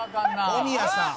「小宮さん